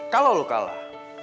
kalau lo kalah